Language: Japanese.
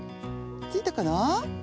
ついたかな？